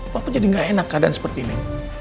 papa jadi nggak enak keadaan seperti ini